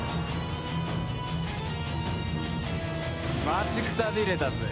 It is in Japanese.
待ちくたびれたぜ！